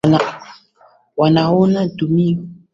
wanaona tu niupuzi lakini kwa uhakika u